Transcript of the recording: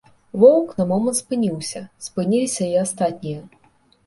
Воўк на момант спыніўся, спыніліся і астатнія.